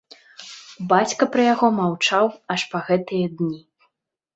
Бацька пра яго маўчаў аж па гэтыя дні.